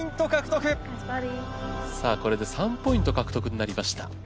さあこれで３ポイント獲得になりました。